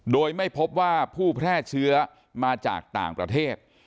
โดยไม่พบว่าผู้แพร่เชื้อมาจากต่างประเทศ